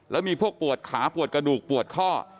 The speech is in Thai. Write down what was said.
แล้วมีพวกปวดขาปวดกระดูกปวดข้อ